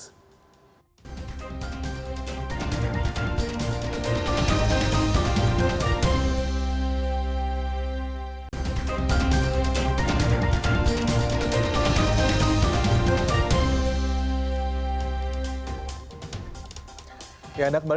jeda tetaplah di cnn indonesia prime news